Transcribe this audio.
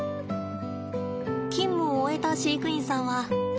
勤務を終えた飼育員さんは。